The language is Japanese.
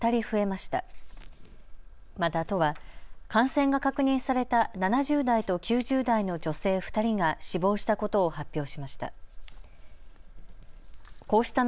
また都は感染が確認された７０代と９０代の女性２人が死亡したことを発表しました。